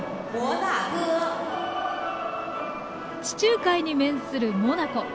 地中海に面するモナコ。